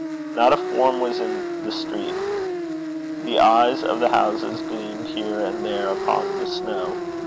Not a form was in the street. The eyes of the houses gleamed here and there upon the snow.